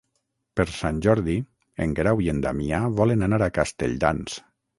Per Sant Jordi en Guerau i en Damià volen anar a Castelldans.